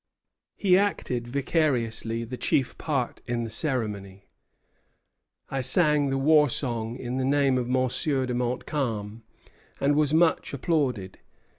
He acted vicariously the chief part in the ceremony. "I sang the war song in the name of M. de Montcalm, and was much applauded.